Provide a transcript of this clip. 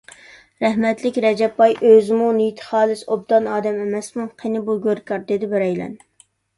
رەھمەتلىك رەجەپ باي ئۆزىمۇ نىيىتى خالىس، ئوبدان ئادەم ئەمەسمۇ!... قېنى بۇ گۆركار؟ _ دېدى بىرەيلەن.